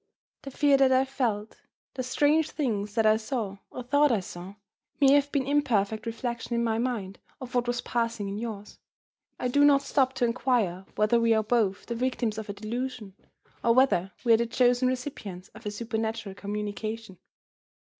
The fear that I felt, the strange things that I saw (or thought I saw), may have been imperfect reflections in my mind of what was passing in yours. I do not stop to inquire whether we are both the victims of a delusion, or whether we are the chosen recipients of a supernatural communication.